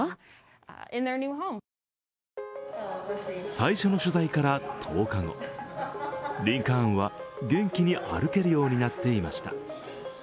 最初の取材から１０日後、リンカーンは元気に歩けるようになっていました。